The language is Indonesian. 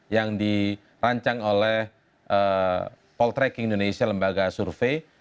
yang dirancang oleh poll tracking indonesia lembaga survei